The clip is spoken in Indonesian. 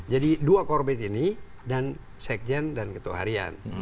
jadi dua korbit ini dan sekjen dan ketua harian